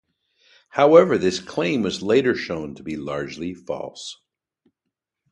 However, this claim was later shown to be largely false.